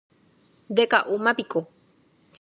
Ndeka'úmapiko